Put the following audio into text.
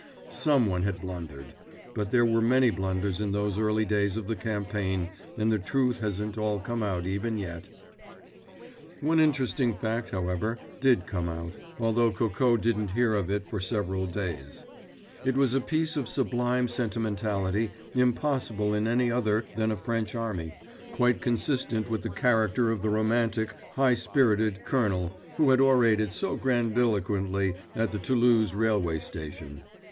Some one had blundered. But there were many blunders in those early days of the campaign, and the truth hasn't all come out even yet. One interesting fact, however, did come out; although Coco didn't hear of it for several days. It was a piece of sublime sentimentality impossible in any other than a French army; quite consistent with the character of the romantic, high spirited colonel who had orated so grandiloquently at the Toulouse railway station.